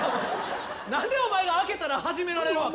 何でお前が開けたら始められるわけ？